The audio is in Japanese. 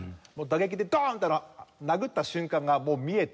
打撃でドーン！って殴った瞬間がもう見えて。